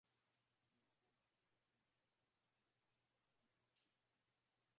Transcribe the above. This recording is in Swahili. i humo huenda ykatagazwa baada ya siku tano